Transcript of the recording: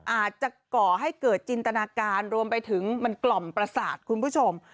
ก่อให้เกิดจินตนาการรวมไปถึงมันกล่อมประสาทคุณผู้ชม